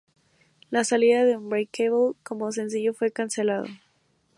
La salida de Unbreakable como sencillo fue cancelado.